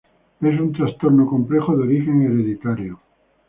Es un trastorno complejo de origen hereditario.